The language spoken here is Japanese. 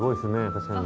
確かに。